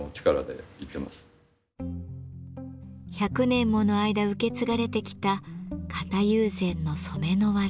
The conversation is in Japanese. １００年もの間受け継がれてきた型友禅の染めの技。